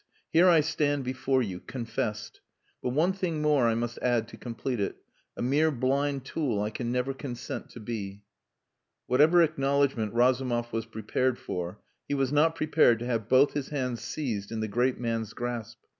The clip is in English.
Here I stand before you confessed! But one thing more I must add to complete it: a mere blind tool I can never consent to be." Whatever acknowledgment Razumov was prepared for, he was not prepared to have both his hands seized in the great man's grasp.